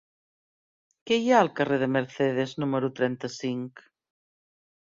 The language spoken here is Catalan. Què hi ha al carrer de Mercedes número trenta-cinc?